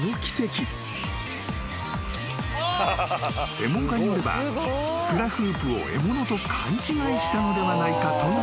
［専門家によればフラフープを獲物と勘違いしたのではないかとのこと］